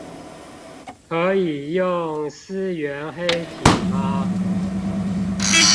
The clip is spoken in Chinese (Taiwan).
可以用思源黑體嗎